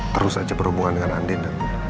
terus aja berhubungan dengan andin